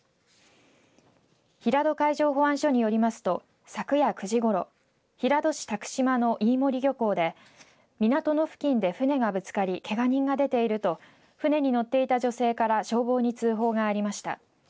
平戸海上保安署によりますと昨夜９時ごろ平戸市度島の飯盛漁港で港の付近で船がぶつかりけが人が出ていると船に乗っていた女性から消防に通報がありました。